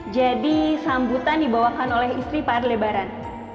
jadi sambutan dibawakan oleh istri pak adelebaran